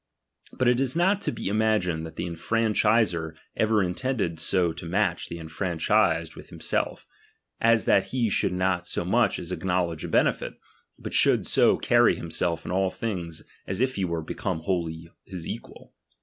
But it is not to be imagined, that the enfranchiser ever intended so to match the enfranchised with himself, as that he should not so much as acknowledge a benefit, but should so carry himself in all things as if he were ■become wholly his equal.